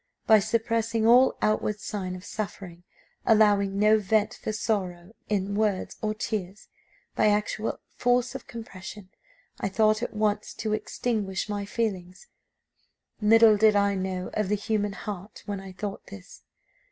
By suppressing all outward sign of suffering, allowing no vent for sorrow in words or tears by actual force of compression I thought at once to extinguish my feelings. Little did I know of the human heart when I thought this!